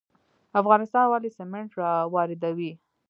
افغانستان ولې سمنټ واردوي؟